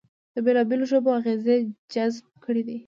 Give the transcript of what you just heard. د بېلابېلو ژبو اغېزې جذب کړې دي